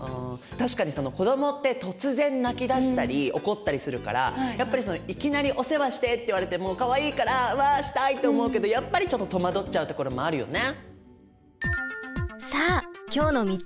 確かにその子どもって突然泣きだしたり怒ったりするからやっぱりそのいきなり「お世話して！」って言われてもかわいいから「わしたい！」って思うけどやっぱりちょっと戸惑っちゃうところもあるよね。